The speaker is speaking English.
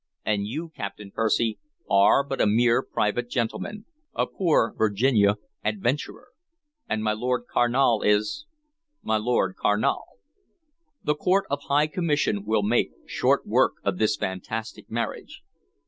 And you, Captain Percy, are but a mere private gentleman, a poor Virginia adventurer; and my Lord Carnal is my Lord Carnal. The Court of High Commission will make short work of this fantastic marriage."